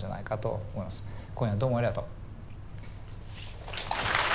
今夜どうもありがとう。